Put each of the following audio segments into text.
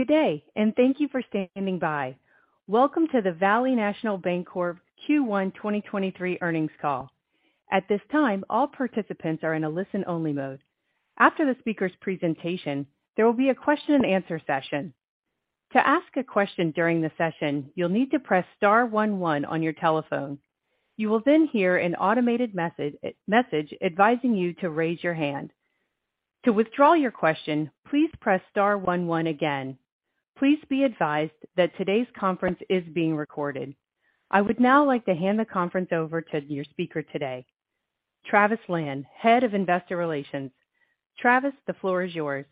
Good day. Thank you for standing by. Welcome to the Valley National Bancorp Q1 2023 Earnings Call. At this time, all participants are in a listen-only mode. After the speaker's presentation, there will be a question-and-answer session. To ask a question during the session, you'll need to press star one one on your telephone. You will then hear an automated message advising you to raise your hand. To withdraw your question, please press star one one again. Please be advised that today's conference is being recorded. I would now like to hand the conference over to your speaker today, Travis Lan, Head of Investor Relations. Travis, the floor is yours.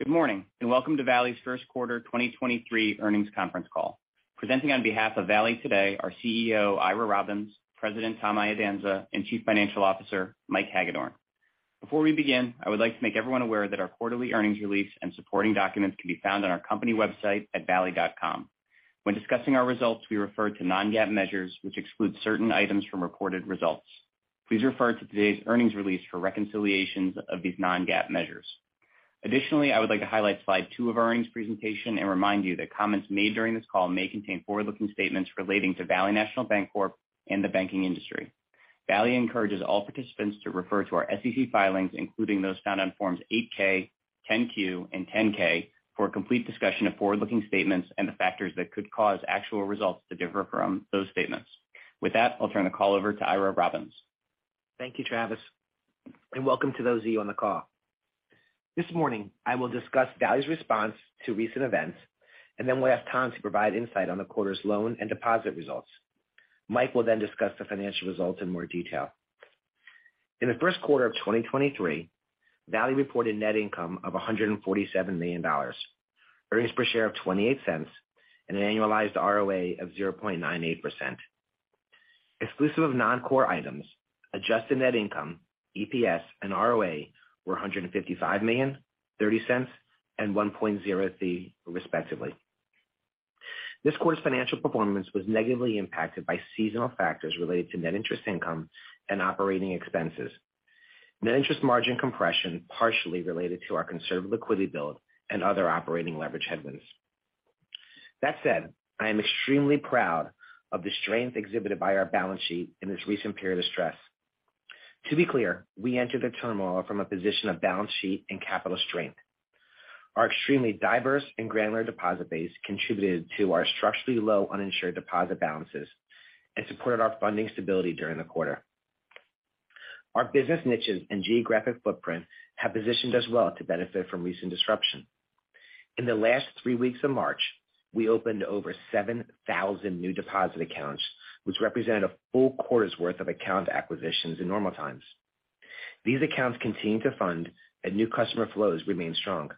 Good morning, welcome to Valley's First Quarter 2023 Earnings Conference Call. Presenting on behalf of Valley today are CEO Ira Robbins, President Tom Iadanza, and Chief Financial Officer Mike Hagedorn. Before we begin, I would like to make everyone aware that our quarterly earnings release and supporting documents can be found on our company website at valley.com. When discussing our results, we refer to non-GAAP measures, which exclude certain items from recorded results. Please refer to today's earnings release for reconciliations of these non-GAAP measures. I would like to highlight slide two of our earnings presentation and remind you that comments made during this call may contain forward-looking statements relating to Valley National Bancorp and the banking industry. Valley encourages all participants to refer to our SEC filings, including those found on Forms 8-K, 10-Q, and 10-K for a complete discussion of forward-looking statements and the factors that could cause actual results to differ from those statements. With that, I'll turn the call over to Ira Robbins. Thank you, Travis, and welcome to those of you on the call. This morning, I will discuss Valley's response to recent events, and then we'll ask Tom to provide insight on the quarter's loan and deposit results. Mike will discuss the financial results in more detail. In the first quarter of 2023, Valley reported net income of $147 million, earnings per share of $0.28, and an annualized ROA of 0.98%. Exclusive of non-core items, adjusted net income, EPS, and ROA were $155 million, $0.30, and 1.03% respectively. This quarter's financial performance was negatively impacted by seasonal factors related to net interest income and operating expenses, net interest margin compression partially related to our conservative liquidity build and other operating leverage headwinds. That said, I am extremely proud of the strength exhibited by our balance sheet in this recent period of stress. To be clear, we entered the turmoil from a position of balance sheet and capital strength. Our extremely diverse and granular deposit base contributed to our structurally low uninsured deposit balances and supported our funding stability during the quarter. Our business niches and geographic footprint have positioned us well to benefit from recent disruption. In the last three weeks of March, we opened over 7,000 new deposit accounts, which represent a full quarter's worth of account acquisitions in normal times. These accounts continue to fund and new customer flows remain strong.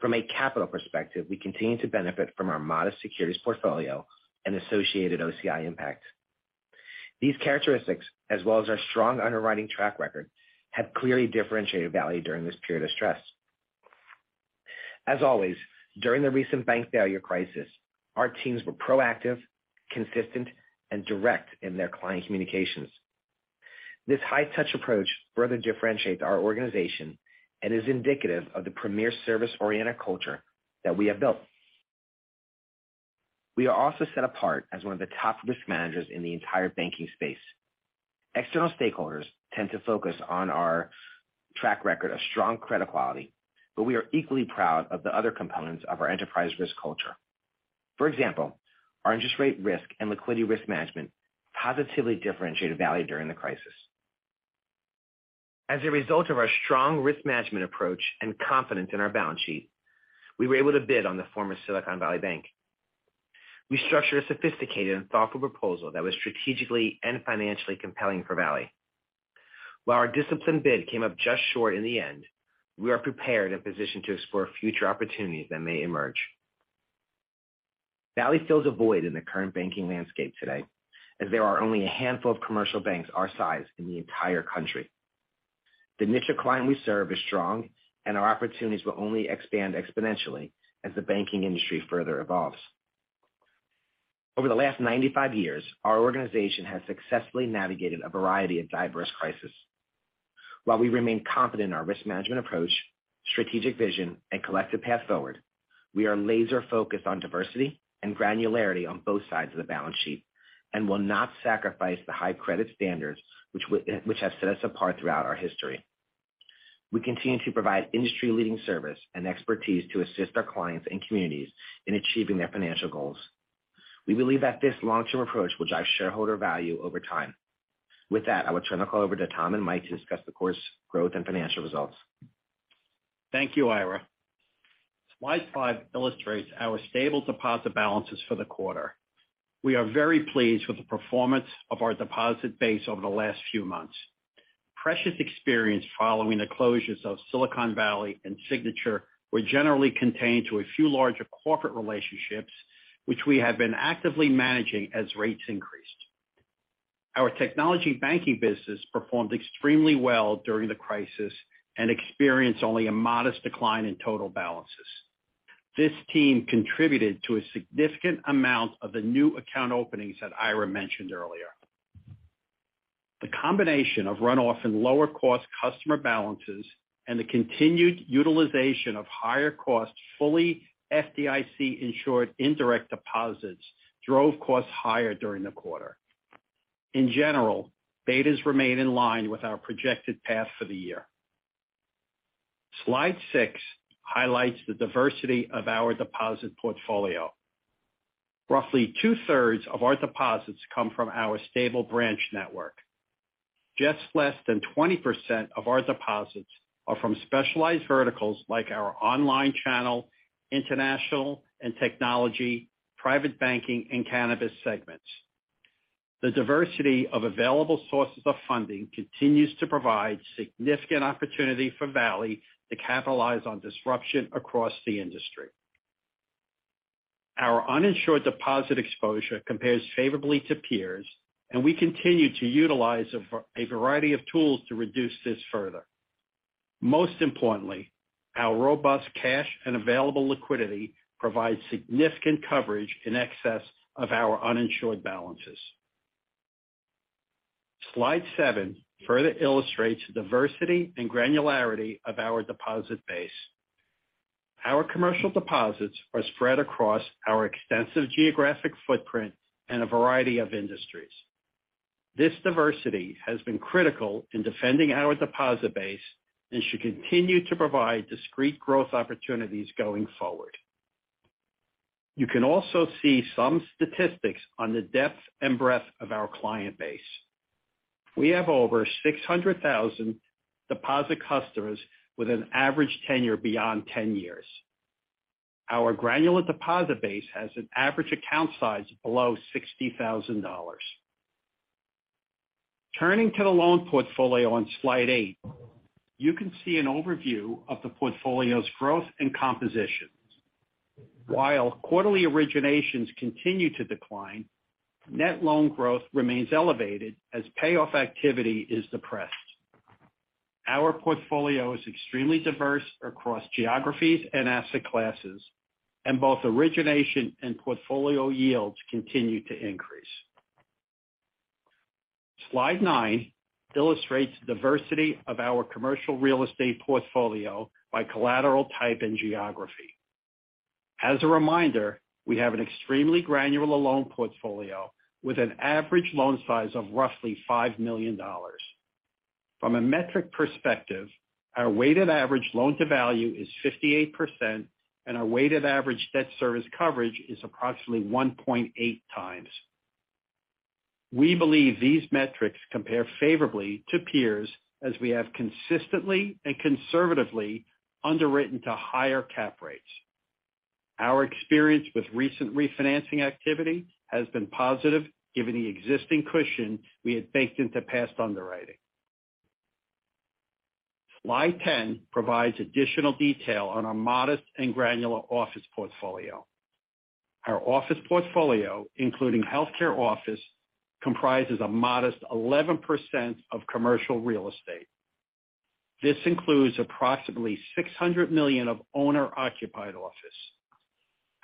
From a capital perspective, we continue to benefit from our modest securities portfolio and associated OCI impact. These characteristics, as well as our strong underwriting track record, have clearly differentiated Valley during this period of stress. As always, during the recent bank failure crisis, our teams were proactive, consistent, and direct in their client communications. This high touch approach further differentiates our organization and is indicative of the premier service-oriented culture that we have built. We are also set apart as one of the top risk managers in the entire banking space. External stakeholders tend to focus on our track record of strong credit quality, but we are equally proud of the other components of our enterprise risk culture. For example, our interest rate risk and liquidity risk management positively differentiated Valley during the crisis. As a result of our strong risk management approach and confidence in our balance sheet, we were able to bid on the former Silicon Valley Bank. We structured a sophisticated and thoughtful proposal that was strategically and financially compelling for Valley. While our disciplined bid came up just short in the end, we are prepared and positioned to explore future opportunities that may emerge. Valley fills a void in the current banking landscape today, as there are only a handful of commercial banks our size in the entire country. The niche of client we serve is strong, and our opportunities will only expand exponentially as the banking industry further evolves. Over the last 95 years, our organization has successfully navigated a variety of diverse crises. While we remain confident in our risk management approach, strategic vision, and collective path forward, we are laser focused on diversity and granularity on both sides of the balance sheet and will not sacrifice the high credit standards which have set us apart throughout our history. We continue to provide industry-leading service and expertise to assist our clients and communities in achieving their financial goals. We believe that this long-term approach will drive shareholder value over time. With that, I will turn the call over to Tom and Mike to discuss the quarter's growth and financial results. Thank you, Ira. Slide five illustrates our stable deposit balances for the quarter. We are very pleased with the performance of our deposit base over the last few months. Deposit pressures following the closures of Silicon Valley and Signature were generally contained to a few larger corporate relationships, which we have been actively managing as rates increased. Our technology banking business performed extremely well during the crisis and experienced only a modest decline in total balances. This team contributed to a significant amount of the new account openings that Ira mentioned earlier. The combination of runoff and lower cost customer balances and the continued utilization of higher cost fully FDIC-insured indirect deposits drove costs higher during the quarter. In general, betas remain in line with our projected path for the year. Slide six highlights the diversity of our deposit portfolio. Roughly 2/3 of our deposits come from our stable branch network. Just less than 20% of our deposits are from specialized verticals like our online channel, international and technology, private banking and cannabis segments. The diversity of available sources of funding continues to provide significant opportunity for Valley to capitalize on disruption across the industry. Our uninsured deposit exposure compares favorably to peers, and we continue to utilize a variety of tools to reduce this further. Most importantly, our robust cash and available liquidity provides significant coverage in excess of our uninsured balances. Slide seven further illustrates the diversity and granularity of our deposit base. Our commercial deposits are spread across our extensive geographic footprint and a variety of industries. This diversity has been critical in defending our deposit base and should continue to provide discrete growth opportunities going forward. You can also see some statistics on the depth and breadth of our client base. We have over 600,000 deposit customers with an average tenure beyond 10 years. Our granular deposit base has an average account size below $60,000. Turning to the loan portfolio on slide eight, you can see an overview of the portfolio's growth and compositions. While quarterly originations continue to decline, net loan growth remains elevated as payoff activity is depressed. Our portfolio is extremely diverse across geographies and asset classes, and both origination and portfolio yields continue to increase. Slide nine illustrates the diversity of our commercial real estate portfolio by collateral type and geography. As a reminder, we have an extremely granular loan portfolio with an average loan size of roughly $5 million. From a metric perspective, our weighted average loan-to-value is 58%, and our weighted average debt service coverage is approximately 1.8x. We believe these metrics compare favorably to peers as we have consistently and conservatively underwritten to higher cap rates. Our experience with recent refinancing activity has been positive given the existing cushion we had baked into past underwriting. Slide ten provides additional detail on our modest and granular office portfolio. Our office portfolio, including healthcare office, comprises a modest 11% of commercial real estate. This includes approximately $600 million of owner-occupied office.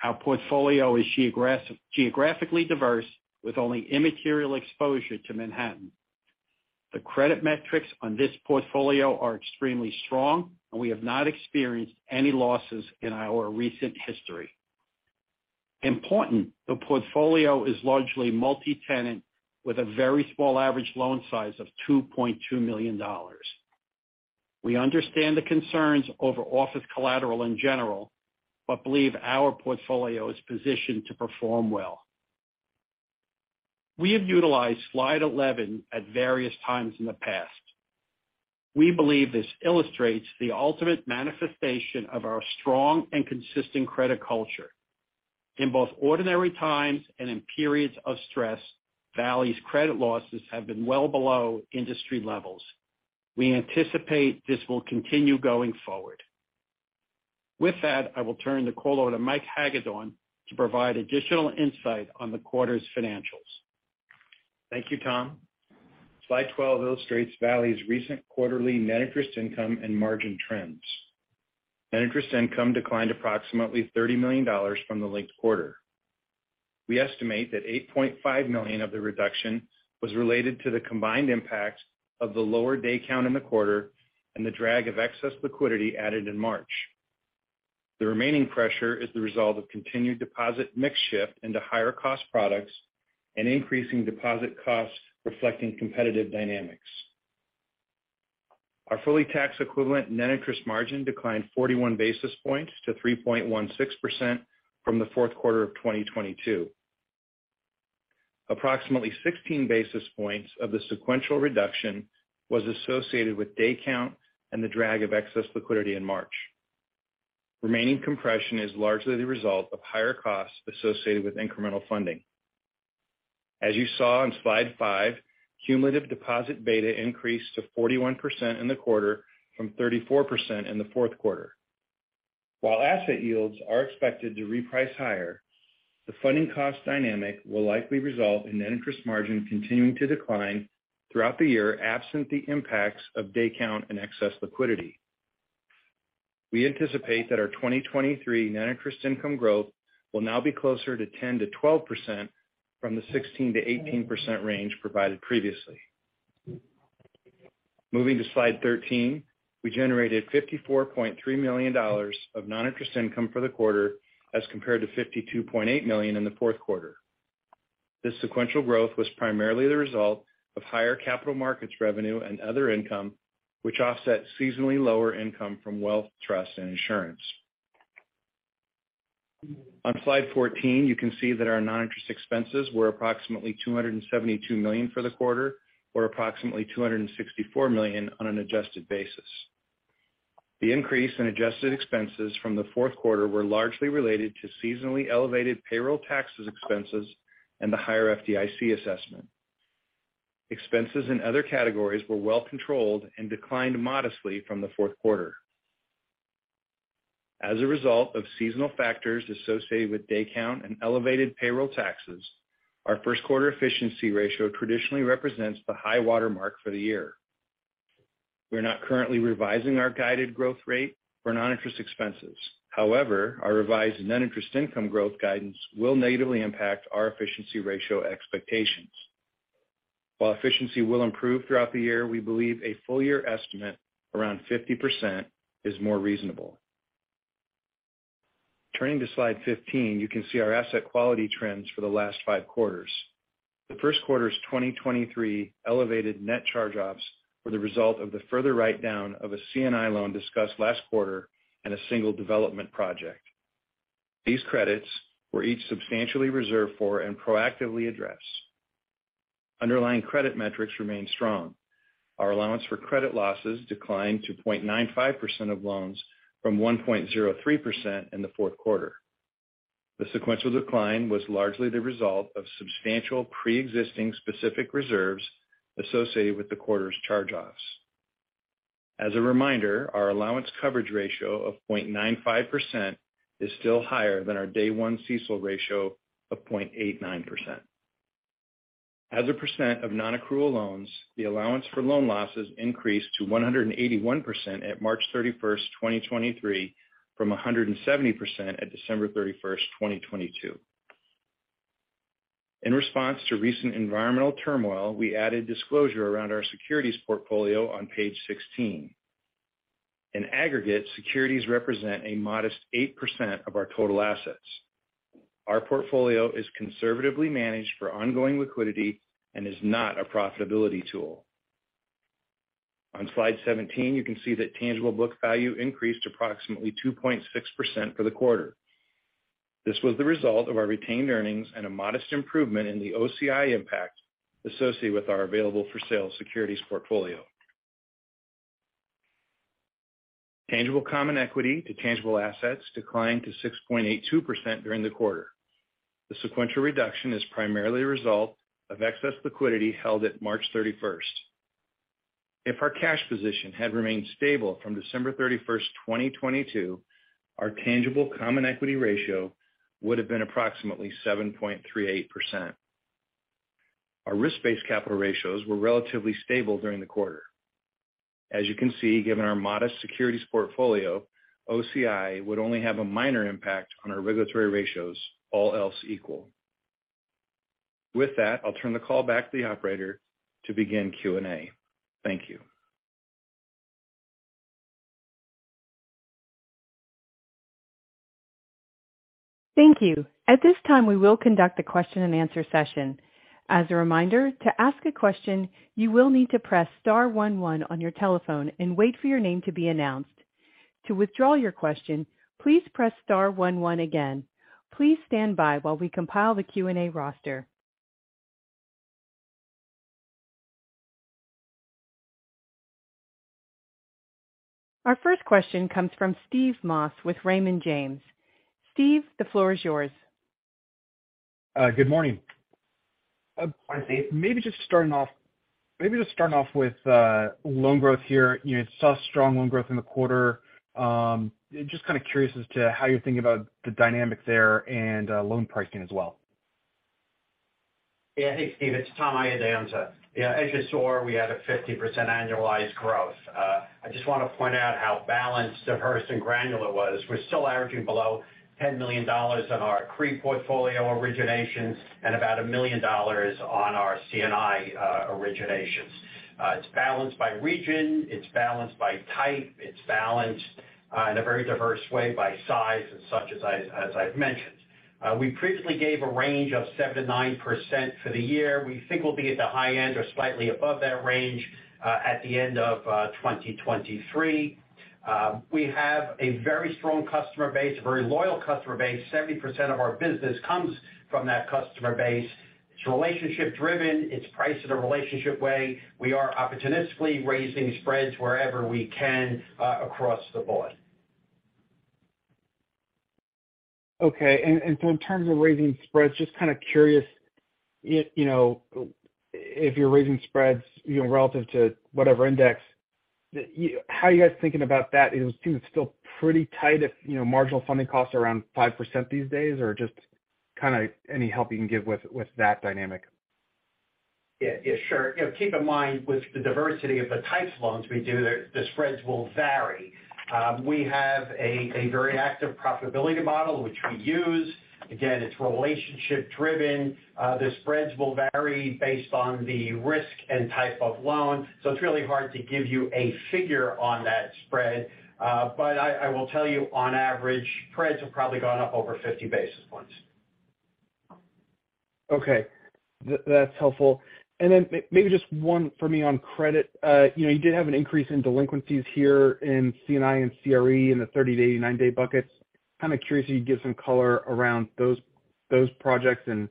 Our portfolio is geographically diverse with only immaterial exposure to Manhattan. The credit metrics on this portfolio are extremely strong, and we have not experienced any losses in our recent history. Important, the portfolio is largely multi-tenant with a very small average loan size of $2.2 million. We understand the concerns over office collateral in general but believe our portfolio is positioned to perform well. We have utilized slide 11 at various times in the past. We believe this illustrates the ultimate manifestation of our strong and consistent credit culture. In both ordinary times and in periods of stress, Valley's credit losses have been well below industry levels. We anticipate this will continue going forward. With that, I will turn the call over to Mike Hagedorn to provide additional insight on the quarter's financials. Thank you, Tom. Slide 12 illustrates Valley's recent quarterly net interest income and margin trends. Net interest income declined approximately $30 million from the linked quarter. We estimate that $8.5 million of the reduction was related to the combined impact of the lower day count in the quarter and the drag of excess liquidity added in March. The remaining pressure is the result of continued deposit mix shift into higher cost products and increasing deposit costs reflecting competitive dynamics. Our fully tax-equivalent net interest margin declined 41 basis points to 3.16% from the fourth quarter of 2022. Approximately 16 basis points of the sequential reduction was associated with day count and the drag of excess liquidity in March. Remaining compression is largely the result of higher costs associated with incremental funding. As you saw on slide five, cumulative deposit beta increased to 41% in the quarter from 34% in the fourth quarter. While asset yields are expected to reprice higher, the funding cost dynamic will likely result in net interest margin continuing to decline throughout the year absent the impacts of day count and excess liquidity. We anticipate that our 2023 net interest income growth will now be closer to 10%-12% from the 16%-18% range provided previously. Moving to slide 13, we generated $54.3 million of non-interest income for the quarter as compared to $52.8 million in the fourth quarter. This sequential growth was primarily the result of higher capital markets revenue and other income, which offset seasonally lower income from wealth, trust, and insurance. On slide 14, you can see that our non-interest expenses were approximately $272 million for the quarter or approximately $264 million on an adjusted basis. The increase in adjusted expenses from the fourth quarter were largely related to seasonally elevated payroll taxes expenses and the higher FDIC assessment. Expenses in other categories were well controlled and declined modestly from the fourth quarter. As a result of seasonal factors associated with day count and elevated payroll taxes, our first quarter efficiency ratio traditionally represents the high watermark for the year. We're not currently revising our guided growth rate for non-interest expenses. Our revised net interest income growth guidance will negatively impact our efficiency ratio expectations. While efficiency will improve throughout the year, we believe a full year estimate around 50% is more reasonable. Turning to slide 15, you can see our asset quality trends for the last five quarters. The first quarter's 2023 elevated net charge-offs were the result of the further write-down of a C&I loan discussed last quarter and a single development project. These credits were each substantially reserved for and proactively addressed. Underlying credit metrics remain strong. Our allowance for credit losses declined to 0.95% of loans from 1.03% in the fourth quarter. The sequential decline was largely the result of substantial pre-existing specific reserves associated with the quarter's charge-offs. As a reminder, our allowance coverage ratio of 0.95% is still higher than our day one CECL ratio of 0.89%. As a percent of non-accrual loans, the allowance for loan losses increased to 181% at March 31st, 2023 from 170% at December 31st, 2022. In response to recent environmental turmoil, we added disclosure around our securities portfolio on page 16. In aggregate, securities represent a modest 8% of our total assets. Our portfolio is conservatively managed for ongoing liquidity and is not a profitability tool. On slide 17, you can see that tangible book value increased approximately 2.6% for the quarter. This was the result of our retained earnings and a modest improvement in the OCI impact associated with our available-for-sale securities portfolio. Tangible common equity to tangible assets declined to 6.82% during the quarter. The sequential reduction is primarily a result of excess liquidity held at March 31st. If our cash position had remained stable from December 31st, 2022, our tangible common equity ratio would have been approximately 7.38%. Our risk-based capital ratios were relatively stable during the quarter. As you can see, given our modest securities portfolio, OCI would only have a minor impact on our regulatory ratios, all else equal. With that, I'll turn the call back to the operator to begin Q&A. Thank you. Thank you. At this time, we will conduct a question-and-answer session. As a reminder, to ask a question, you will need to press star one one on your telephone and wait for your name to be announced. To withdraw your question, please press star one one again. Please stand by while we compile the Q&A roster. Our first question comes from Steve Moss with Raymond James. Steve, the floor is yours. Good morning. Good morning, Steve. Maybe just starting off with loan growth here. You know, saw strong loan growth in the quarter. Just kind of curious as to how you're thinking about the dynamics there and loan pricing as well. Yeah. Thanks, Steve. It's Tom Iadanza. Yeah. As you saw, we had a 50% annualized growth. I just want to point out how balanced, diverse, and granular it was. We're still averaging below $10 million on our CRE portfolio originations and about $1 million on our C&I originations. It's balanced by region, it's balanced by type, it's balanced in a very diverse way by size and such as I've mentioned. We previously gave a range of 7%-9% for the year. We think we'll be at the high end or slightly above that range at the end of 2023. We have a very strong customer base, a very loyal customer base. 70% of our business comes from that customer base. It's relationship driven. It's priced in a relationship way. We are opportunistically raising spreads wherever we can, across the board. Okay. in terms of raising spreads, just kind of curious if, you know, if you're raising spreads, you know, relative to whatever index, how are you guys thinking about that? It seems still pretty tight if, you know, marginal funding costs are around 5% these days or just kind of any help you can give with that dynamic? Yeah, yeah, sure. You know, keep in mind, with the diversity of the types of loans we do, the spreads will vary. We have a very active profitability model which we use. Again, it's relationship driven. The spreads will vary based on the risk and type of loan, so it's really hard to give you a figure on that spread. But I will tell you on average, spreads have probably gone up over 50 basis points. Okay. That's helpful. Then maybe just one for me on credit. You know, you did have an increase in delinquencies here in C&I and CRE in the 30-day, 89-day buckets. Kind of curious if you could give some color around those projects and,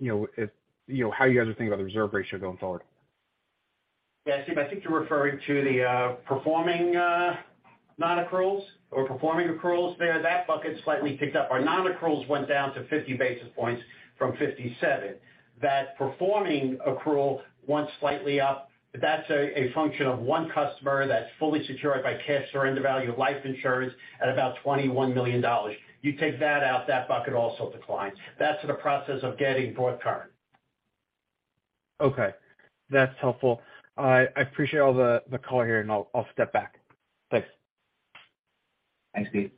you know, if, you know, how you guys are thinking about the reserve ratio going forward? See, I think you're referring to the performing non-accruals or performing accruals there. That bucket slightly ticked up. Our non-accruals went down to 50 basis points from 57. That performing accrual went slightly up. That's a function of one customer that's fully secured by cash surrender value of life insurance at about $21 million. You take that out, that bucket also declines. That's in the process of getting brought current. Okay. That's helpful. I appreciate all the color here, and I'll step back. Thanks. Thanks, Steve.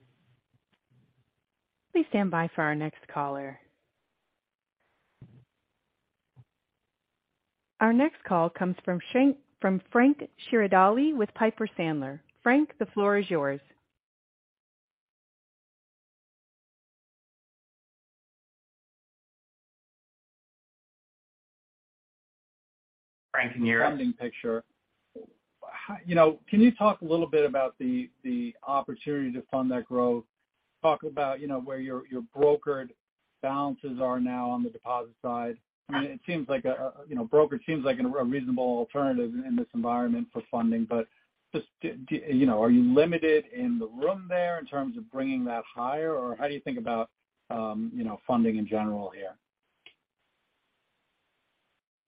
Please stand by for our next caller. Our next call comes from Frank Schiraldi with Piper Sandler. Frank, the floor is yours. Frank, can you hear us? Funding picture. You know, can you talk a little bit about the opportunity to fund that growth? Talk about, you know, where your brokered balances are now on the deposit side. I mean, it seems like a, you know, broker seems like a reasonable alternative in this environment for funding. You know, are you limited in the room there in terms of bringing that higher, or how do you think about, you know, funding in general here?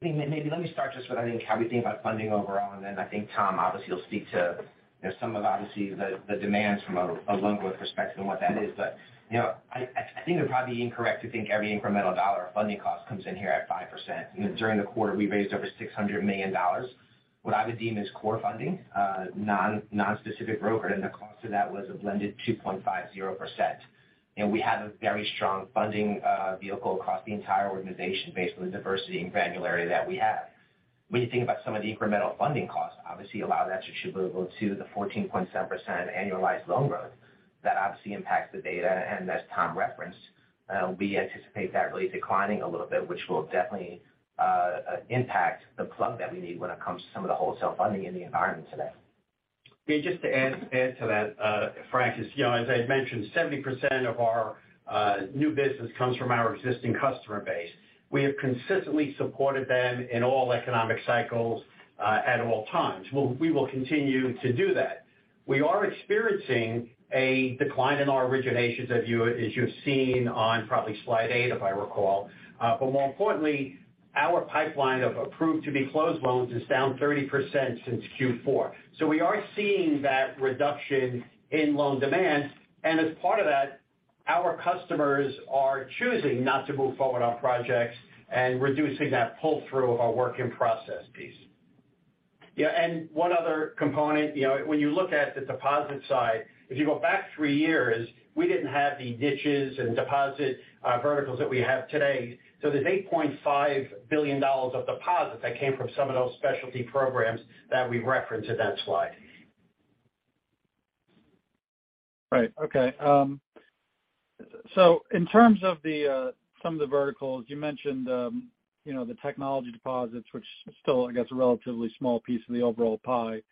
Maybe let me start just with, I think, how we think about funding overall. Then I think Tom obviously will speak to, you know, some of obviously the demands from a loan growth perspective and what that is. You know, I think it'd probably incorrect to think every incremental dollar of funding cost comes in here at 5%. You know, during the quarter we raised over $600 million what I would deem as core funding, non-specific broker, and the cost of that was a blended 2.50%. We have a very strong funding vehicle across the entire organization based on the diversity and granularity that we have. When you think about some of the incremental funding costs, obviously a lot of that's attributable to the 14.7% annualized loan growth. That obviously impacts the data, as Tom referenced, we anticipate that really declining a little bit, which will definitely impact the plug that we need when it comes to some of the wholesale funding in the environment today. Just to add to that, Frank, is, you know, as I mentioned, 70% of our new business comes from our existing customer base. We have consistently supported them in all economic cycles, at all times. We will continue to do that. We are experiencing a decline in our originations, as you've seen on probably slide eight, if I recall. More importantly, our pipeline of approved to be closed loans is down 30% since Q4. We are seeing that reduction in loan demand. As part of that, our customers are choosing not to move forward on projects and reducing that pull through of our work in process piece. Yeah, one other component. You know, when you look at the deposit side, if you go back three years, we didn't have the niches and deposit verticals that we have today. There's $8.5 billion of deposits that came from some of those specialty programs that we referenced in that slide. Right. Okay. In terms of the verticals, you mentioned, you know, the technology deposits, which still I guess a relatively small piece of the overall pie.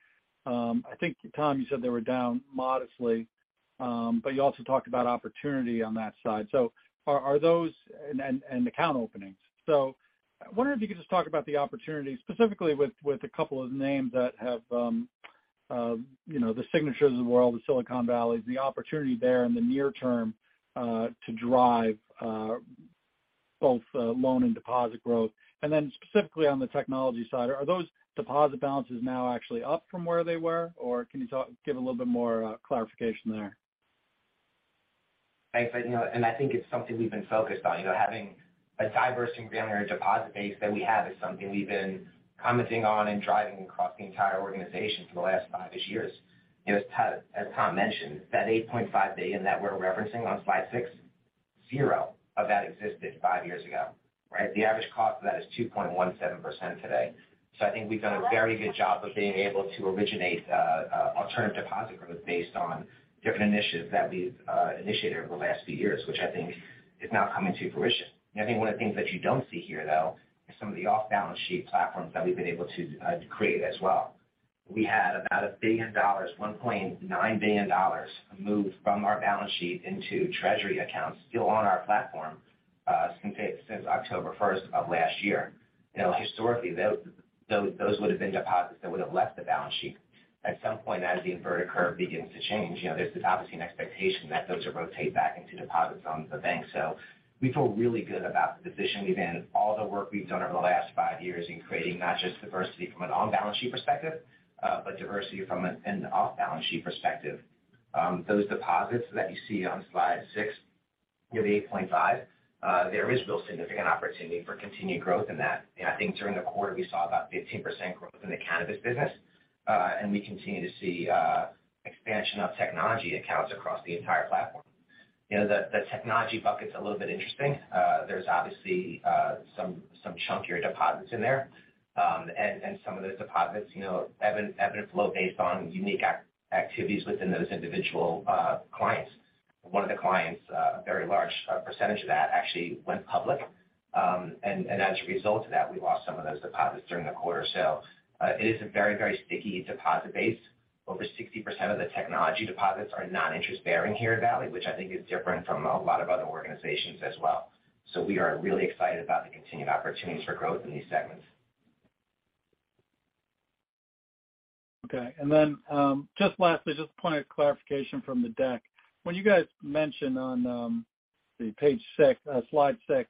I think, Tom, you said they were down modestly, but you also talked about opportunity on that side. Are those... And account openings. I wonder if you could just talk about the opportunities specifically with a couple of names that have, you know, the Signatures of the world, the Silicon Valleys, the opportunity there in the near term, to drive both loan and deposit growth. Then specifically on the technology side, are those deposit balances now actually up from where they were? Or can you talk, give a little bit more clarification there? Thanks. You know, I think it's something we've been focused on. You know, having a diverse and granular deposit base that we have is something we've been commenting on and driving across the entire organization for the last five-ish years. You know, as Tom mentioned, that $8.5 billion that we're referencing on slide six, zero of that existed five years ago, right? The average cost of that is 2.17% today. I think we've done a very good job of being able to originate alternative deposit growth based on different initiatives that we've initiated over the last few years, which I think is now coming to fruition. I think one of the things that you don't see here, though, is some of the off-balance sheet platforms that we've been able to create as well. We had about $1 billion, $1.9 billion moved from our balance sheet into treasury accounts still on our platform since October 1st of last year. Historically, those would've been deposits that would've left the balance sheet. At some point, as the inverted curve begins to change, you know, there's obviously an expectation that those will rotate back into deposits on the bank. We feel really good about the position we're in, all the work we've done over the last five years in creating not just diversity from an on-balance sheet perspective, but diversity from an off-balance sheet perspective. Those deposits that you see on slide six, near the $8.5 billion, there is real significant opportunity for continued growth in that. I think during the quarter we saw about 15% growth in the cannabis business. We continue to see expansion of technology accounts across the entire platform. You know, the technology bucket's a little bit interesting. There's obviously some chunkier deposits in there. And some of those deposits, you know, evidence flow based on unique activities within those individual clients. One of the clients, a very large percentage of that actually went public. And as a result of that, we lost some of those deposits during the quarter. It is a very, very sticky deposit base. Over 60% of the technology deposits are non-interest bearing here at Valley, which I think is different from a lot of other organizations as well. We are really excited about the continued opportunities for growth in these segments. Okay. Just lastly, just a point of clarification from the deck. When you guys mention on slide six,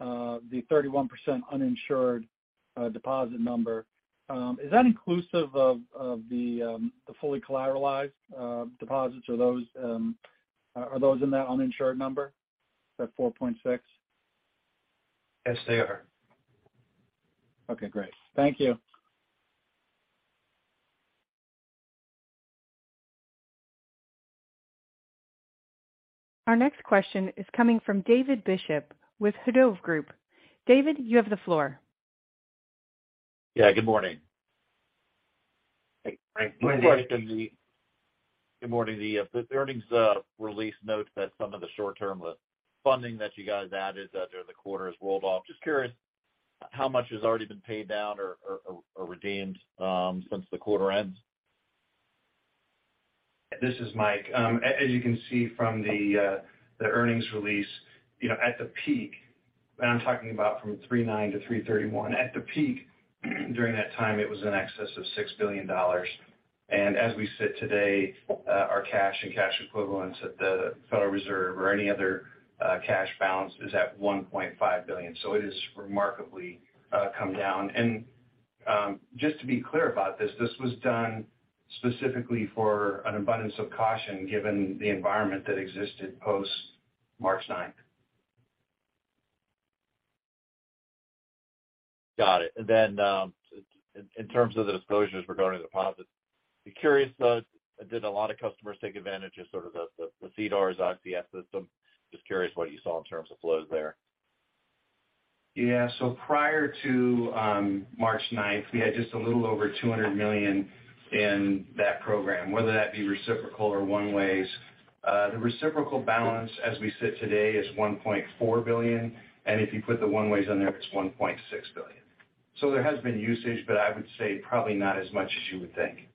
the 31% uninsured deposit number, is that inclusive of the fully collateralized deposits? Are those in that uninsured number, that $4.6 billion? Yes, they are. Okay, great. Thank you. Our next question is coming from David Bishop with Hovde Group. David, you have the floor. Yeah, good morning. Hey, David. Good morning. Good morning. The earnings release notes that some of the short-term funding that you guys added during the quarter is rolled off. Just curious, how much has already been paid down or redeemed since the quarter ends? This is Mike. As you can see from the earnings release, you know, at the peak, and I'm talking about from 3/9 to 3/31, at the peak during that time, it was in excess of $6 billion. As we sit today, our cash and cash equivalents at the Federal Reserve or any other cash balance is at $1.5 billion. It is remarkably come down. Just to be clear about this was done specifically for an abundance of caution given the environment that existed post-March 9th. Got it. In terms of the disclosures regarding the deposits, be curious, did a lot of customers take advantage of sort of the CDARS ICS system? Just curious what you saw in terms of flows there. Prior to March 9th, we had just a little over $200 million in that program, whether that be reciprocal or one-ways. The reciprocal balance as we sit today is $1.4 billion, and if you put the one-ways on there, it's $1.6 billion. There has been usage, but I would say probably not as much as you would think.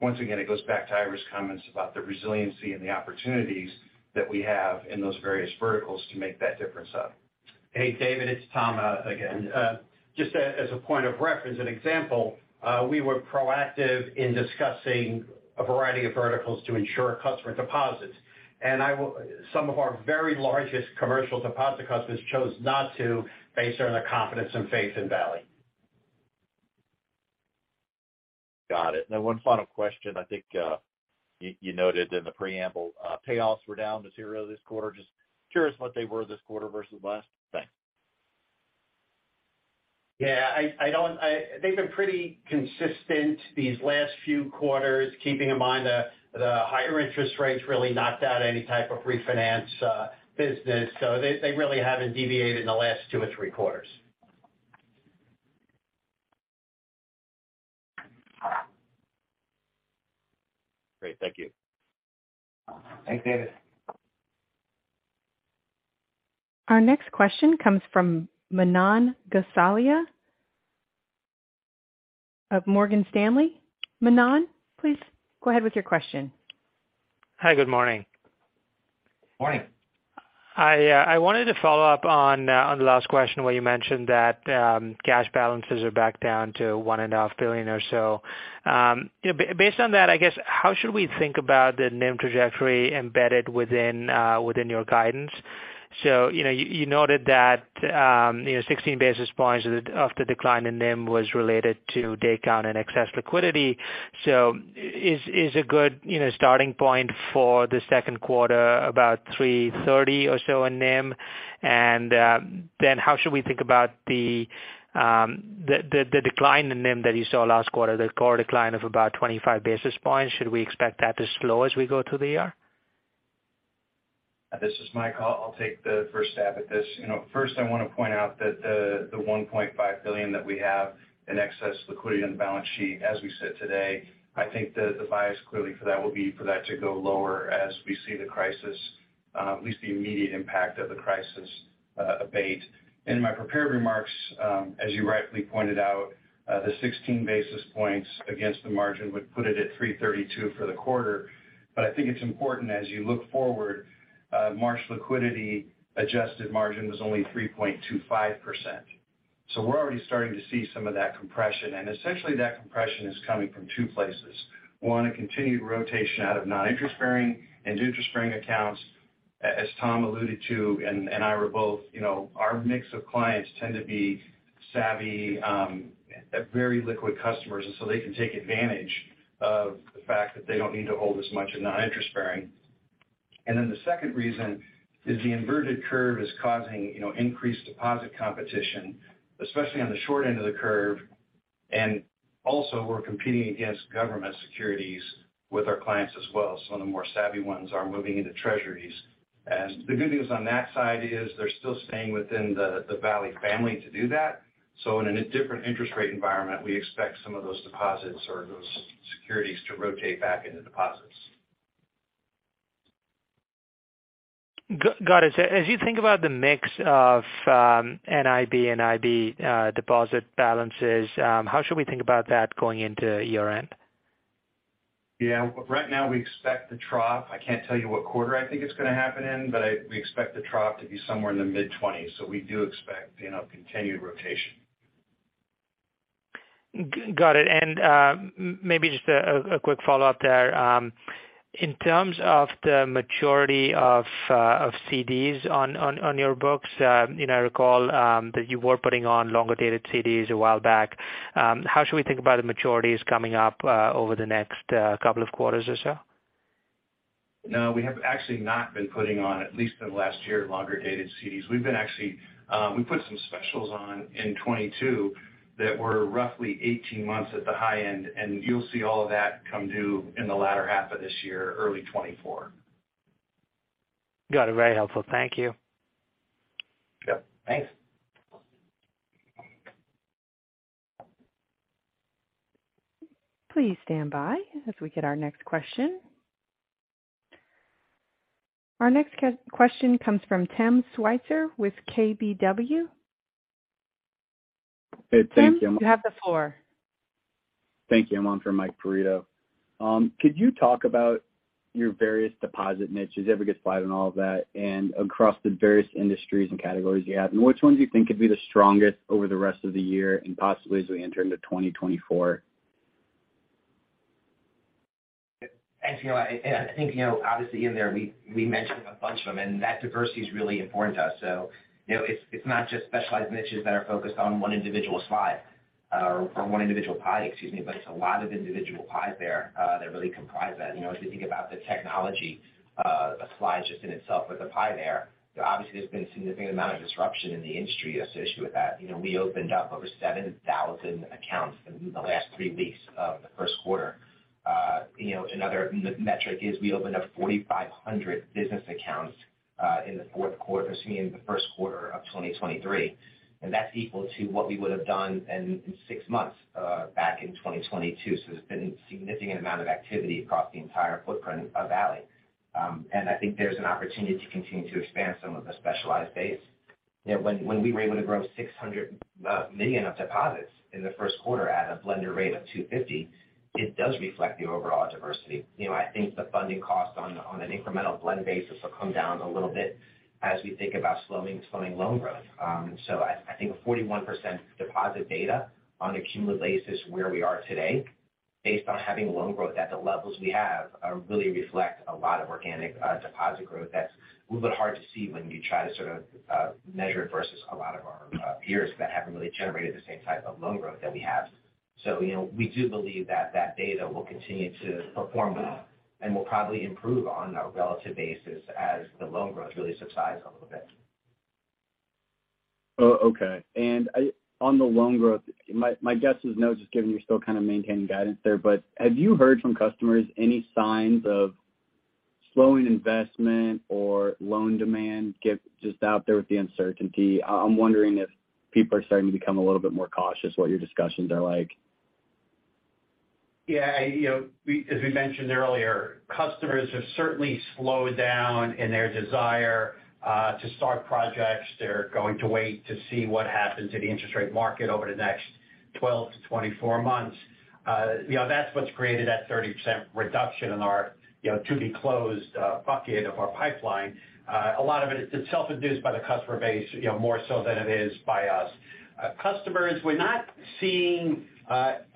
Once again, it goes back to Ira's comments about the resiliency and the opportunities that we have in those various verticals to make that difference up. Hey, David, it's Tom, again. Just as a point of reference, an example, we were proactive in discussing a variety of verticals to ensure customer deposits. Some of our very largest commercial deposit customers chose not to based on their confidence and faith in Valley. Got it. One final question. I think, you noted in the preamble, payoffs were down to zero this quarter. Just curious what they were this quarter versus last? Thanks. Yeah, I don't. They've been pretty consistent these last few quarters, keeping in mind the higher interest rates really knocked out any type of refinance business. They really haven't deviated in the last two or three quarters. Great. Thank you. Thanks, David. Our next question comes from Manan Gosalia of Morgan Stanley. Manan, please go ahead with your question. Hi, good morning. Morning. I wanted to follow up on the last question where you mentioned that cash balances are back down to $1.5 billion or so. You know, based on that, I guess, how should we think about the NIM trajectory embedded within your guidance? You know, you noted that, you know, 16 basis points of the decline in NIM was related to day count and excess liquidity. Is a good, you know, starting point for the second quarter about 3.30% or so in NIM? Then how should we think about the decline in NIM that you saw last quarter, the core decline of about 25 basis points? Should we expect that to slow as we go through the year? This is Mike. I'll take the first stab at this. You know, first, I want to point out that the $1.5 billion that we have in excess liquidity on the balance sheet as we sit today, I think the bias clearly for that will be for that to go lower as we see the crisis, at least the immediate impact of the crisis, abate. In my prepared remarks, as you rightly pointed out, the 16 basis points against the margin would put it at 3.32% for the quarter. I think it's important as you look forward, March liquidity adjusted margin was only 3.25%. We're already starting to see some of that compression, and essentially that compression is coming from two places. One, a continued rotation out of non-interest bearing and interest-bearing accounts, as Tom alluded to and Ira both, you know, our mix of clients tend to be savvy, very liquid customers, and so they can take advantage of the fact that they don't need to hold as much in non-interest bearing. The second reason is the inverted curve is causing, you know, increased deposit competition, especially on the short end of the curve. Also we're competing against government securities with our clients as well. Some of the more savvy ones are moving into Treasuries. The good news on that side is they're still staying within the Valley family to do that. In a different interest rate environment, we expect some of those deposits or those securities to rotate back into deposits. got it. As you think about the mix of, NIB, deposit balances, how should we think about that going into year-end? Yeah. Right now we expect the trough. I can't tell you what quarter I think it's going to happen in, but we expect the trough to be somewhere in the mid-20s. We do expect, you know, continued rotation. Got it. maybe just a quick follow-up there. In terms of the maturity of CDs on your books, you know, I recall that you were putting on longer-dated CDs a while back. How should we think about the maturities coming up over the next couple of quarters or so? No, we have actually not been putting on, at least in the last year, longer-dated CDs. We've been actually, we put some specials on in 2022 that were roughly 18 months at the high end, and you'll see all of that come due in the latter half of this year or early 2024. Got it. Very helpful. Thank you. Yep. Thanks. Please stand by as we get our next question. Our next question comes from Tim Switzer with KBW. Hey, thank you. Tim, you have the floor. Thank you. I'm on for Mike Perito. Could you talk about your various deposit niches, every good slide and all of that, and across the various industries and categories you have, and which ones you think could be the strongest over the rest of the year and possibly as we enter into 2024? Thanks. You know, I think, you know, obviously in there we mentioned a bunch of them and that diversity is really important to us. You know, it's not just specialized niches that are focused on one individual slide, or one individual pie, excuse me, but it's a lot of individual pies there that really comprise that. You know, as you think about the technology slide just in itself with the pie there, obviously there's been a significant amount of disruption in the industry associated with that. You know, we opened up over 7,000 accounts in the last three weeks of the first quarter. You know, another metric is we opened up 4,500 business accounts in the first quarter of 2023. That's equal to what we would have done in six months back in 2022. There's been a significant amount of activity across the entire footprint of Valley. I think there's an opportunity to continue to expand some of the specialized base. You know, when we were able to grow $600 million of deposits in the first quarter at a blender rate of 2.50%, it does reflect the overall diversity. You know, I think the funding cost on an incremental blend basis will come down a little bit as we think about slowing loan growth. I think a 41% deposit beta on a cumulative basis where we are today based on having loan growth at the levels we have, really reflect a lot of organic deposit growth that's a little bit hard to see when you try to sort of measure it versus a lot of our peers that haven't really generated the same type of loan growth that we have. You know, we do believe that data will continue to perform well and will probably improve on a relative basis as the loan growth really subsides a little bit. Okay. On the loan growth, my guess is no, just given you're still kind of maintaining guidance there. Have you heard from customers any signs of slowing investment or loan demand get just out there with the uncertainty? I'm wondering if people are starting to become a little bit more cautious, what your discussions are like. Yeah. You know, as we mentioned earlier, customers have certainly slowed down in their desire to start projects. They're going to wait to see what happens in the interest rate market over the next 12-24 months. You know, that's what's created that 30% reduction in our, you know, to be closed bucket of our pipeline. A lot of it is, it's self-induced by the customer base, you know, more so than it is by us. Customers, we're not seeing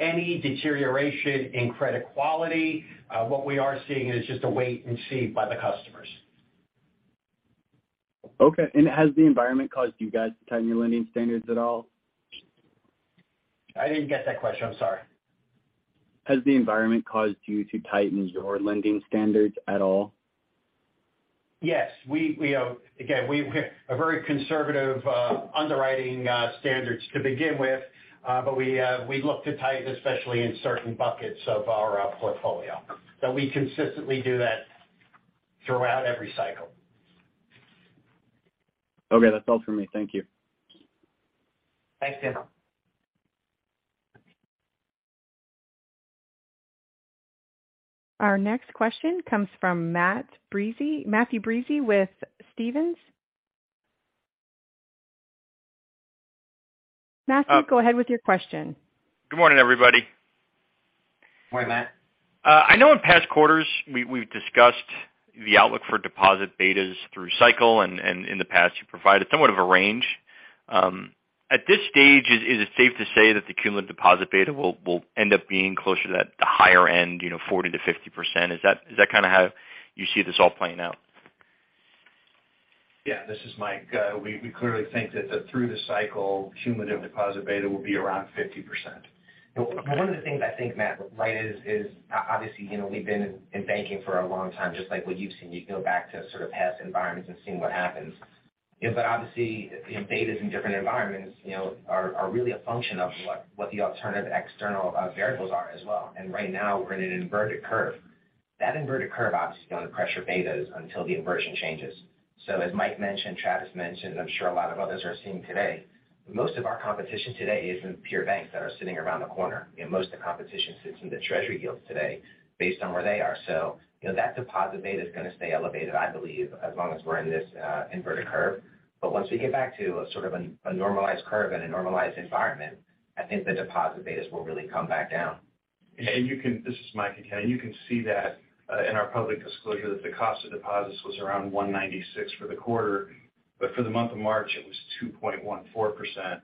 any deterioration in credit quality. What we are seeing is just a wait and see by the customers. Okay. Has the environment caused you guys to tighten your lending standards at all? I didn't get that question. I'm sorry. Has the environment caused you to tighten your lending standards at all? Yes. We again, we have a very conservative underwriting standards to begin with. We look to tighten, especially in certain buckets of our portfolio. We consistently do that throughout every cycle. Okay, that's all for me. Thank you. Thanks, Tim. Our next question comes from Matt Breese, Matthew Breese with Stephens. Matthew, go ahead with your question. Good morning, everybody. Morning, Matt. I know in past quarters we've discussed the outlook for deposit betas through cycle and in the past you provided somewhat of a range. At this stage is it safe to say that the cumulative deposit beta will end up being closer to the higher end, you know, 40%-50%? Is that kind of how you see this all playing out? Yeah, this is Mike. We clearly think that the through the cycle cumulative deposit beta will be around 50%. One of the things I think, Matt, right is obviously, you know, we've been in banking for a long time, just like what you've seen. You can go back to sort of past environments and seeing what happens. You know, obviously, you know, betas in different environments, you know, are really a function of what the alternative external variables are as well. Right now we're in an inverted curve. That inverted curve obviously is going to pressure betas until the inversion changes. As Mike mentioned, Travis mentioned, and I'm sure a lot of others are seeing today, most of our competition today isn't pure banks that are sitting around the corner. You know, most of the competition sits in the Treasury yields today based on where they are. You know, that deposit beta is going to stay elevated, I believe, as long as we're in this inverted curve. Once we get back to a sort of a normalized curve and a normalized environment, I think the deposit betas will really come back down. This is Mike again. You can see that in our public disclosure that the cost of deposits was around 1.96% for the quarter. For the month of March, it was 2.14%.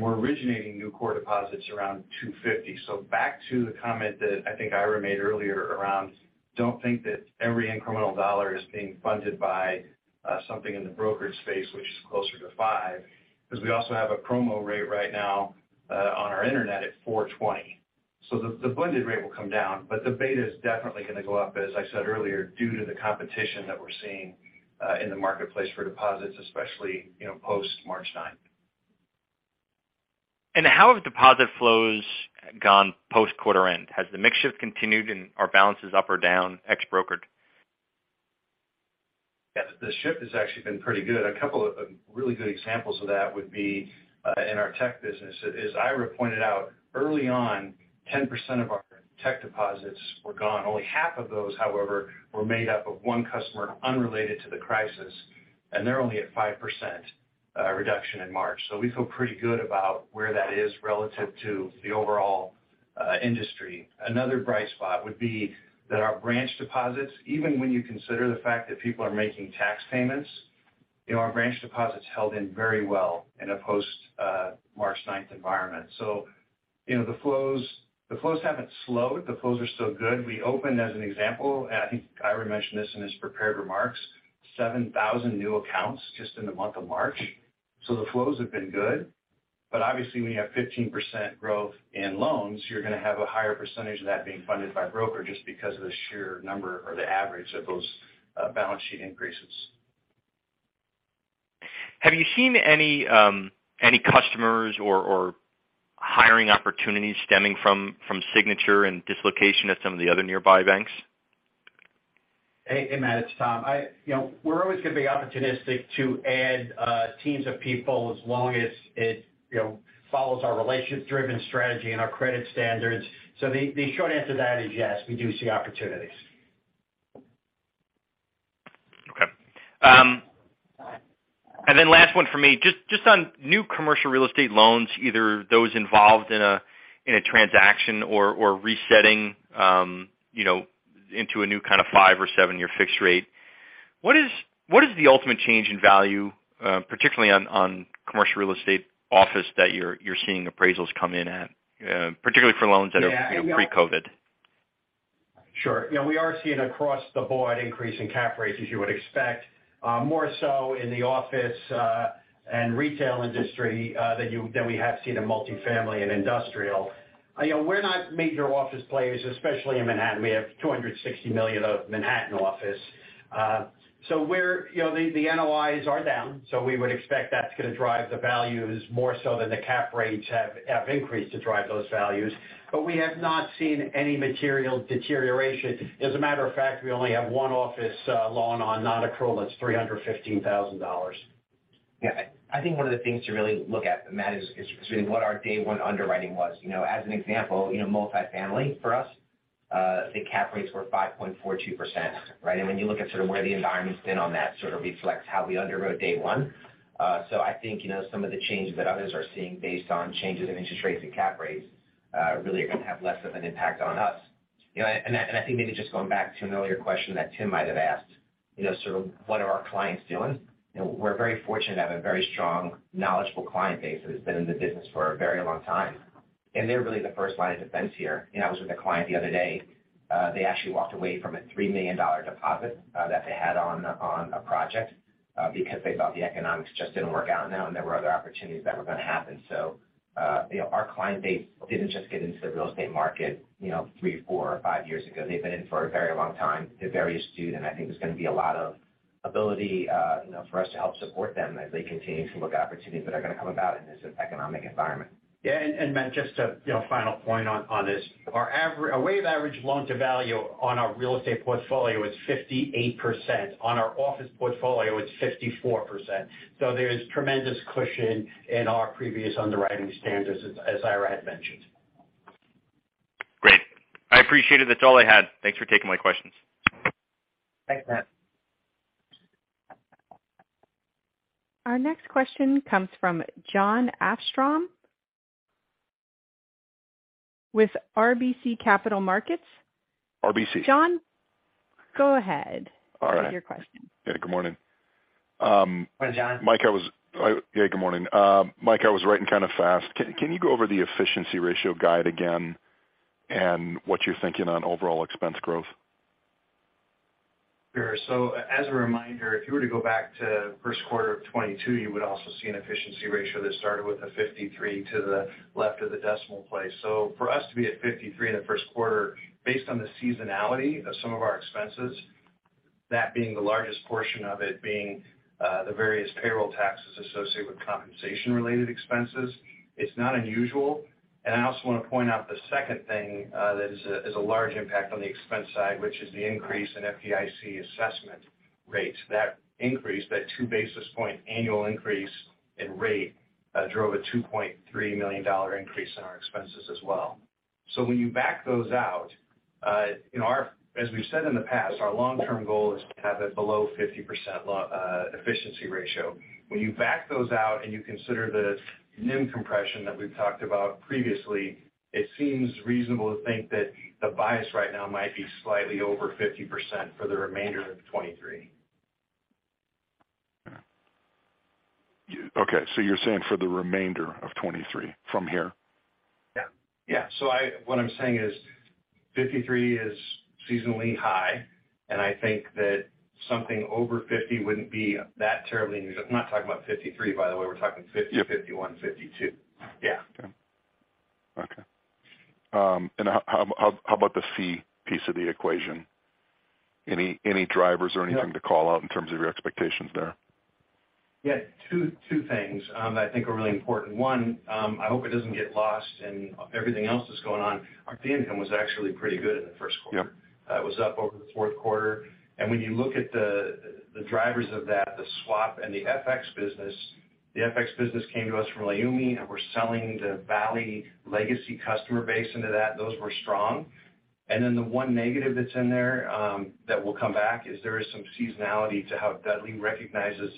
We're originating new core deposits around 2.50%. Back to the comment that I think Ira made earlier around, don't think that every incremental dollar is being funded by something in the brokerage space, which is closer to 5%, because we also have a promo rate right now on our internet at 4.20%. The blended rate will come down, but the beta is definitely going to go up, as I said earlier, due to the competition that we're seeing in the marketplace for deposits, especially, you know, post-March 9th. How have deposit flows gone post-quarter end? Has the mix shift continued and are balances up or down ex brokered? Yes, the shift has actually been pretty good. A couple of really good examples of that would be in our tech business. As Ira pointed out, early on, 10% of our tech deposits were gone. Only half of those, however, were made up of one customer unrelated to the crisis, and they're only at 5% reduction in March. We feel pretty good about where that is relative to the overall industry. Another bright spot would be that our branch deposits, even when you consider the fact that people are making tax payments, you know, our branch deposits held in very well in a post March ninth environment. You know, the flows haven't slowed. The flows are still good. We opened, as an example, I think Ira mentioned this in his prepared remarks, 7,000 new accounts just in the month of March. The flows have been good. Obviously, when you have 15% growth in loans, you're going to have a higher percentage of that being funded by broker just because of the sheer number or the average of those balance sheet increases. Have you seen any customers or hiring opportunities stemming from Signature and dislocation of some of the other nearby banks? Hey, Matt, it's Tom. You know, we're always going to be opportunistic to add teams of people as long as it, you know, follows our relationship-driven strategy and our credit standards. The short answer to that is yes, we do see opportunities. Okay. Last one for me, on new commercial real estate loans, either those involved in a transaction or resetting, you know, into a new kind of five or seven-year fixed rate. What is the ultimate change in value, particularly on commercial real estate office that you're seeing appraisals come in at, particularly for loans that are, you know, pre-COVID? Sure. You know, we are seeing across the board increase in cap rates as you would expect, more so in the office, and retail industry, than we have seen in multifamily and industrial. You know, we're not major office players, especially in Manhattan. We have $260 million of Manhattan office. So we're... You know, the NOIs are down, so we would expect that's going to drive the values more so than the cap rates have increased to drive those values. We have not seen any material deterioration. As a matter of fact, we only have one office, loan on non-accrual that's $315,000. Yeah. I think one of the things to really look at, Matt, is really what our day one underwriting was. You know, as an example, you know, multifamily for us, the cap rates were 5.42%, right? When you look at sort of where the environment's been on that sort of reflects how we underwrote day one. I think, you know, some of the changes that others are seeing based on changes in interest rates and cap rates, really are going to have less of an impact on us. You know, and I think maybe just going back to an earlier question that Tim might have asked, you know, sort of what are our clients doing? You know, we're very fortunate to have a very strong, knowledgeable client base that has been in the business for a very long time. They're really the first line of defense here. You know, I was with a client the other day, they actually walked away from a $3 million deposit that they had on a project because they thought the economics just didn't work out now, and there were other opportunities that were going to happen. You know, our client base didn't just get into the real estate market, you know, three, four or five years ago. They've been in for a very long time. They're very astute, and I think there's going to be a lot of ability, you know, for us to help support them as they continue to look at opportunities that are going to come about in this economic environment. Yeah. Matt, just a, you know, final point on this. Our weighted average loan-to-value on our real estate portfolio is 58%. On our office portfolio, it's 54%. There is tremendous cushion in our previous underwriting standards as Ira had mentioned. Great. I appreciate it. That's all I had. Thanks for taking my questions. Thanks, Matt. Our next question comes from Jon Arfstrom with RBC Capital Markets. RBC. Jon, go ahead. All right. State your question. Yeah, good morning. Morning, Jon. Yeah, good morning. Mike, I was writing kind of fast. Can you go over the efficiency ratio guide again? What you're thinking on overall expense growth. Sure. As a reminder, if you were to go back to first quarter of 2022, you would also see an efficiency ratio that started with a 53% to the left of the decimal place. For us to be at 53% in the first quarter based on the seasonality of some of our expenses, that being the largest portion of it being, the various payroll taxes associated with compensation-related expenses, it's not unusual. I also want to point out the second thing, that is a large impact on the expense side, which is the increase in FDIC assessment rate. That increase, that 2 basis point annual increase in rate, drove a $2.3 million increase in our expenses as well. When you back those out, as we've said in the past, our long-term goal is to have it below 50% efficiency ratio. When you back those out and you consider the NIM compression that we've talked about previously, it seems reasonable to think that the bias right now might be slightly over 50% for the remainder of 2023. Okay. You're saying for the remainder of 2023 from here? Yeah. Yeah. What I'm saying is 53% is seasonally high, and I think that something over 50% wouldn't be that terribly unusual. I'm not talking about 53%, by the way. We're talking 50%, 51%, 52%. Yeah. Okay. How about the C piece of the equation? Any drivers or anything to call out in terms of your expectations there? Yeah. Two things that I think are really important. One, I hope it doesn't get lost in everything else that's going on. Our fee income was actually pretty good in the first quarter. Yeah. It was up over the fourth quarter. When you look at the drivers of that, the swap and the FX business, the FX business came to us from Leumi, and we're selling the Valley legacy customer base into that. Those were strong. The one negative that's in there, that will come back is there is some seasonality to how Dudley recognizes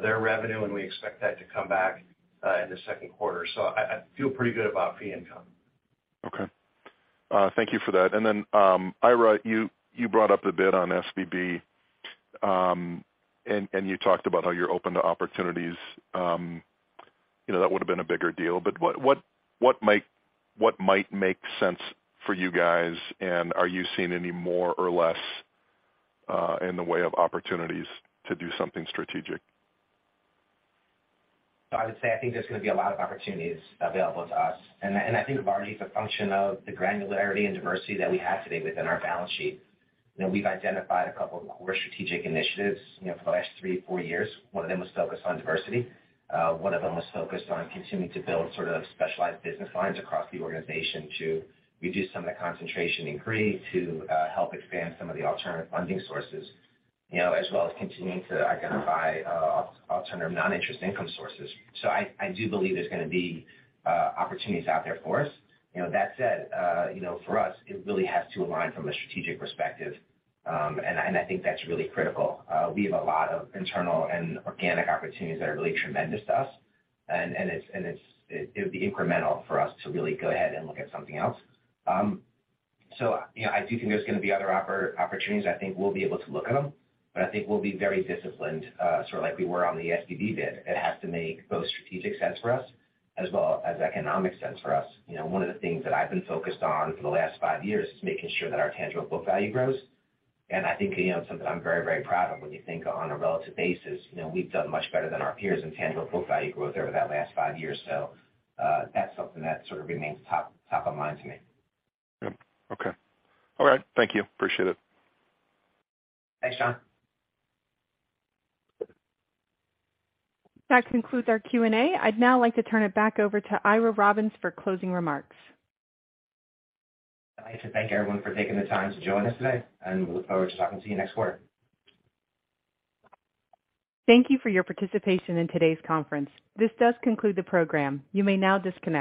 their revenue, and we expect that to come back in the second quarter. I feel pretty good about fee income. Okay. Thank you for that. Ira, you brought up a bit on SVB. You talked about how you're open to opportunities, you know, that would have been a bigger deal. What might make sense for you guys? Are you seeing any more or less in the way of opportunities to do something strategic? I would say I think there's going to be a lot of opportunities available to us. I think it's already a function of the granularity and diversity that we have today within our balance sheet. You know, we've identified a couple of core strategic initiatives, you know, for the last three, four years. One of them was focused on diversity. One of them was focused on continuing to build sort of specialized business lines across the organization to reduce some of the concentration in CRE to help expand some of the alternate funding sources. You know, as well as continuing to identify alternate non-interest income sources. I do believe there's going to be opportunities out there for us. You know, that said, you know, for us, it really has to align from a strategic perspective. I, and I think that's really critical. We have a lot of internal and organic opportunities that are really tremendous to us. It would be incremental for us to really go ahead and look at something else. You know, I do think there's gonna be other opportunities. I think we'll be able to look at them, but I think we'll be very disciplined, sort of like we were on the SVB bid. It has to make both strategic sense for us as well as economic sense for us. You know, one of the things that I've been focused on for the last five years is making sure that our tangible book value grows. I think, you know, something I'm very, very proud of when you think on a relative basis, you know, we've done much better than our peers in tangible book value growth over that last five years. That's something that sort of remains top of mind to me. Yep. Okay. All right. Thank you. Appreciate it. Thanks, Jon That concludes our Q&A. I'd now like to turn it back over to Ira Robbins for closing remarks. I'd like to thank everyone for taking the time to join us today, and we look forward to talking to you next quarter. Thank you for your participation in today's conference. This does conclude the program. You may now disconnect.